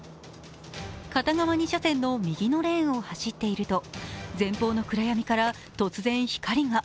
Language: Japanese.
片側２車線の右のレーンを走っていると前方の暗闇から突然光が。